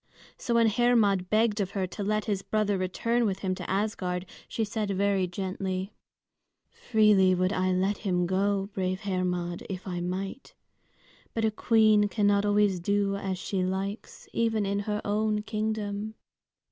So when Hermod begged of her to let his brother return with him to Asgard, she said very gently, "Freely would I let him go, brave Hermod, if I might. But a queen cannot always do as she likes, even in her own kingdom.